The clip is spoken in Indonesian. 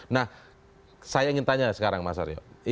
nah saya ingin tanya sekarang mas aryo